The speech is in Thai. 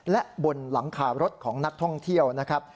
และบนหลังคารถของนักท่องเที่ยวนะครับ